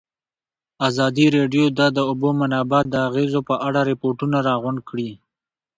ازادي راډیو د د اوبو منابع د اغېزو په اړه ریپوټونه راغونډ کړي.